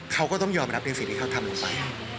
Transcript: เขาก็ต้องยอมรับในสิ่งที่เขาทำลงไป